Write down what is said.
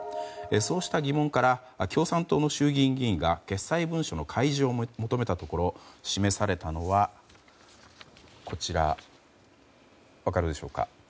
そうした疑問から共産党の衆議院議員が決裁文書の開示を求めたところ示されたのは、こちら分かるでしょうか。